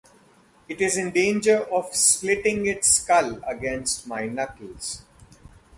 It is in danger of splitting its skull against my knuckles.